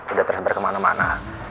udah tersebar kemana mana